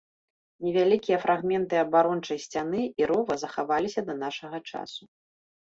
Невялікія фрагменты абарончай сцяны і рова захаваліся да нашага часу.